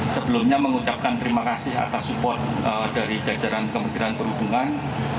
sebelumnya mengucapkan terima kasih atas support dari jajaran kementerian perhubungan